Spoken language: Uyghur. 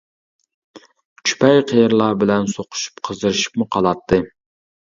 چۈپەي قېرىلار بىلەن سوقۇشۇپ قىزىرىشىپمۇ قالاتتى.